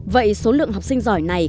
vậy số lượng học sinh giỏi này